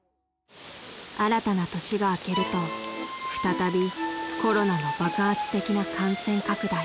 ［新たな年が明けると再びコロナの爆発的な感染拡大］